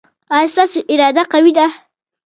ایا ستاسو اراده قوي ده؟